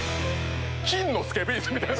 金のスケベイスみたいな。